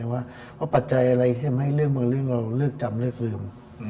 ว่าปัจจัยอะไรที่ทำให้เรื่องบางเรื่องเราลืกจำลืกลืม